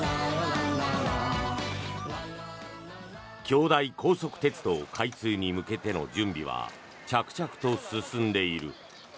京台高速鉄道開通に向けての準備は着々と進んでいる。